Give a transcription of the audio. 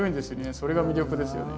それが魅力ですよね。